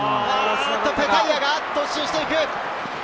ペタイアが突進していく！